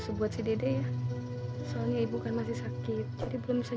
semua tetapi itu men '"